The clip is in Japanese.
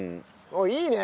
いいね。